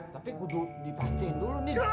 tapi dipastiin dulu nih